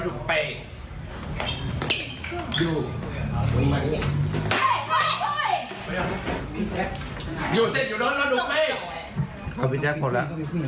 ขอบพี่แจ๊คพละ